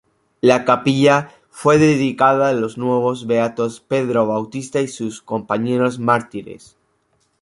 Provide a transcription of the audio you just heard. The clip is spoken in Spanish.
La capilla fue dedicada los nuevos beatos Pedro Bautista y sus compañeros mártires.